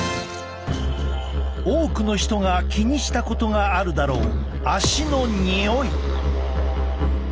多くの人が気にしたことがあるだろう